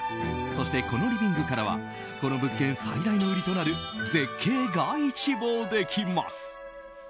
そして、このリビングからはこの物件最大の売りとなる絶景が一望できます。